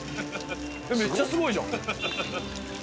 めっちゃすごいじゃん。